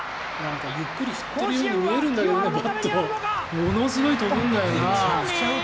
ゆっくり振っているように見えるんだけどものすごい飛ぶんだよな。